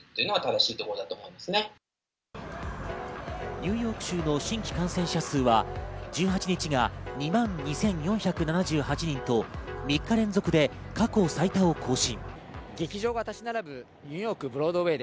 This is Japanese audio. ニューヨーク州の新規感染者数は１８日が２万２４７８人と、３日連続で過去最多を更新。